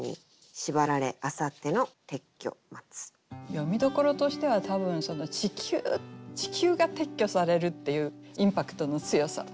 読みどころとしては多分「ちきゅう」が撤去されるっていうインパクトの強さ。